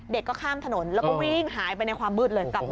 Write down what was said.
เด็กก็ข้ามถนนแล้วก็วิ่งหายไปในความมืดเริ่มกลับมา